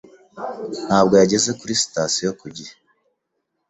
ntabwo yageze kuri sitasiyo ku gihe.